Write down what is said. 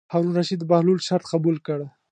هارون الرشید د بهلول شرط قبول کړ.